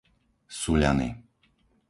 Suľany